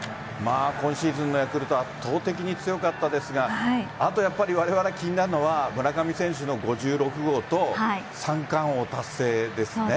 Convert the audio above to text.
今シーズンのヤクルトは圧倒的に強かったですがわれわれ、気になるのは村上選手の５６号と３冠王達成ですね。